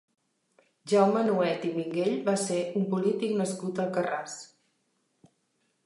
Jaume Nuet i Minguell va ser un polític nascut a Alcarràs.